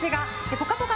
「ぽかぽか」